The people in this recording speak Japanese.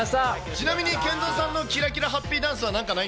ちなみにＫＥＮＺＯさんのキラキラハッピーダンスは、何かな